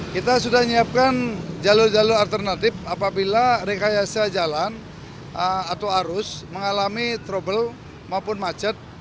kita sudah menyiapkan jalur jalur alternatif apabila rekayasa jalan atau arus mengalami trouble maupun macet